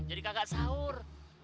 jadi kagak sahur